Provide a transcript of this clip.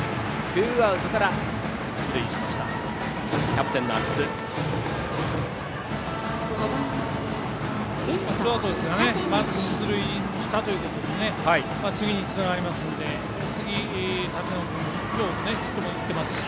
ツーアウトですがまず、出塁したということで次につながりますので次の舘野君は今日もヒットも打っていますし。